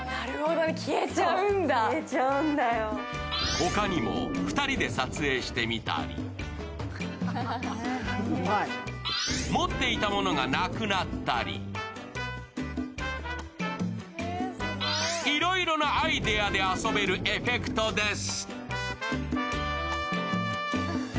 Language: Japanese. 他にも、２人で撮影してみたり持っていたものがなくなったりいろいろなアイデアで遊べるエフェクトです。